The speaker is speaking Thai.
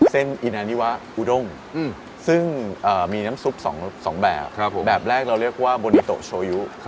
อินานิวะอุดงซึ่งมีน้ำซุป๒แบบแบบแรกเราเรียกว่าโบนิโตะโชยุ